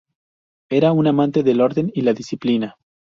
Era un amante del orden y la disciplina.